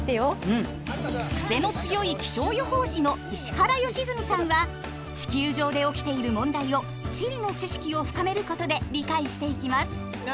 クセの強い気象予報士の石原良純さんは地球上で起きている問題を地理の知識を深めることで理解していきます。